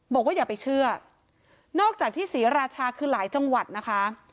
อย่าไปเชื่อนอกจากที่ศรีราชาคือหลายจังหวัดนะคะ